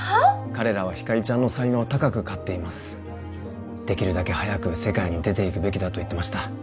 彼らはひかりちゃんの才能を高く買っていますできるだけ早く世界に出ていくべきだと言ってました